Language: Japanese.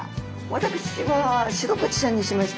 私はシログチちゃんにしました。